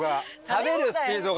食べるスピードが。